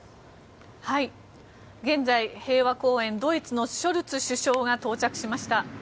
現在、平和公園ドイツのショルツ首相が到着しました。